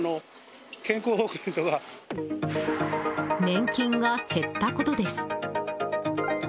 年金が減ったことです。